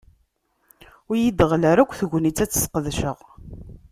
Ur yi-d-teɣli ara yakk tegnit ad tt-ssqedceɣ.